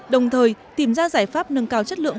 đồng thời tìm ra giải pháp nâng cao chất lượng